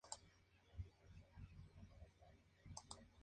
Sus restos fueron sepultados en el Cementerio de El Ángel de Lima.